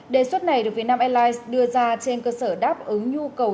đề xuất này được vietnam airlines đưa ra trên cơ sở đáp ứng nhu cầu